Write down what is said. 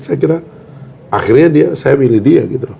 saya kira akhirnya saya milih dia gitu